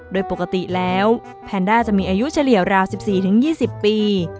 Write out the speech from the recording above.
โดยปกติแล้วแพนด้าจะมีอายุเฉลี่ยราว๑๔๒๐ปี